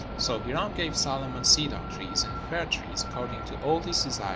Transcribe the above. So Hiram gave Solomon cedar trees and fir trees according to all his desire.